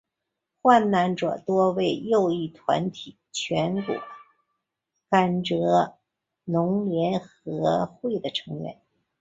罹难者多为左翼团体全国甘蔗农联合会的成员。